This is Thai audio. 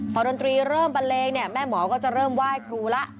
พอดนตรีเริ่มบันเลงเนี่ยแม่หมอก็จะเริ่มไหว้ครูแล้ว